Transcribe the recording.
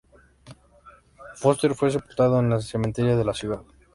Förster fue sepultado en el cementerio de la ciudad.